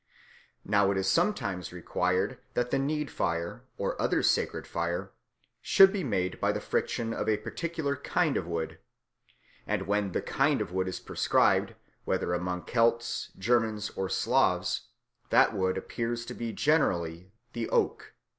Now it is sometimes required that the need fire, or other sacred fire, should be made by the friction of a particular kind of wood; and when the kind of wood is prescribed, whether among Celts, Germans, or Slavs, that wood appears to be generally the oak.